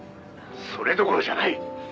「それどころじゃない。